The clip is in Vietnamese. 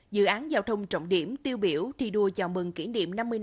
dự án giao thông trọng điểm tiêu biểu thi đua chào mừng kỷ niệm năm mươi năm